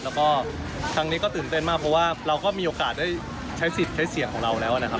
แล้วก็ครั้งนี้ก็ตื่นเต้นมากเพราะว่าเราก็มีโอกาสได้ใช้สิทธิ์ใช้เสียงของเราแล้วนะครับ